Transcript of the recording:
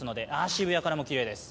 渋谷からもきれいです。